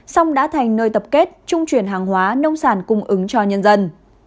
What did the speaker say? song đã thành nơi tập kết trung chuyển hàng hóa nông sản cung ứng cho nhân dân